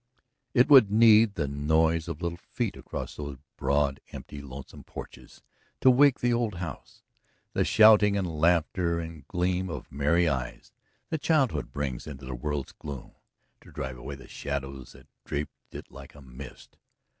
It would need the noise of little feet across those broad, empty, lonesome porches to wake the old house; the shouting and laughter and gleam of merry eyes that childhood brings into this world's gloom, to drive away the shadows that draped it like a mist.